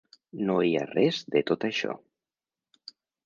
No hi ha res de tot això.